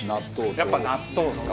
やっぱ納豆ですか。